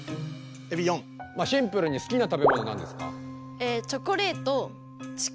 シンプルに好きな食べ物なんですか？